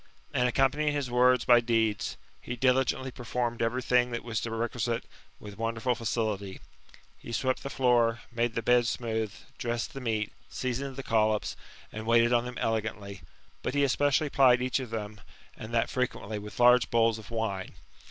And, accompanying his words by deeds, he diligently performed every thing that was requisite, with wonderful facility; he swept the fioor, made the beds smooth, ^ dressed the meat, seasoned the collops, and waited on them* elegantly; but he especially plied each of them, and that frequently, with large bowls of wine.